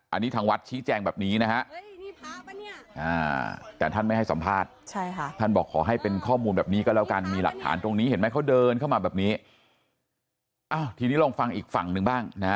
อันนี้ทางวัดชี้แจงแบบนี้นะฮะแต่ท่านไม่ให้สัมภาษณ์